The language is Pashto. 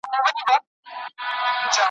تر ماښام پوري یې هیڅ نه وه خوړلي .